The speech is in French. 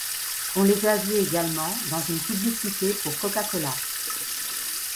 On les a vus également dans une publicité pour Coca-Cola.